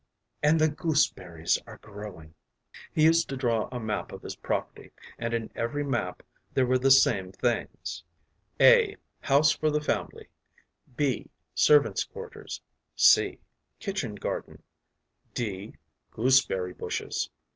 and the gooseberries are growing.’ “He used to draw a map of his property, and in every map there were the same things (a) house for the family, (b) servants’ quarters, (c) kitchen garden, (d) gooseberry bushes.